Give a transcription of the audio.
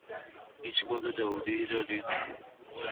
هیچ گل داوودی دارید؟